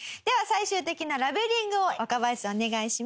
最終的なラベリングを若林さんお願いします。